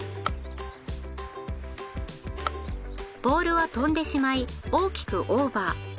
ボールは飛んでしまい大きくオーバー。